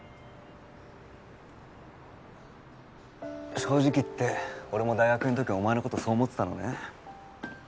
正直言って俺も大学の時お前のことそう思ってたのね